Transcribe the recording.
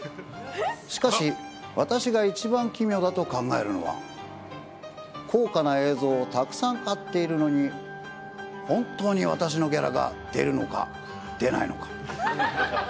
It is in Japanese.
しかし、私が一番奇妙だと考えるのは、高価な映像をたくさん買っているのに、本当に私のギャラが出るのか、出ないのか。